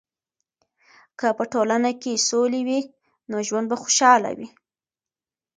که په ټولنه کې سولې وي، نو ژوند به خوشحاله وي.